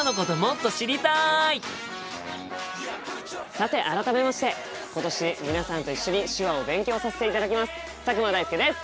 さて改めまして今年皆さんと一緒に手話を勉強させていただきます佐久間大介です！